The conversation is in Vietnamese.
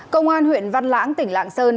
công an huyện văn lãng tỉnh lạng sơn